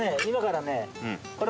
今からね。